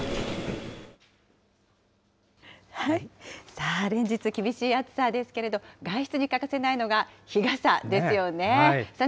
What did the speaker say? さあ、連日厳しい暑さですけれど、外出に欠かせないのが、日傘ですよね。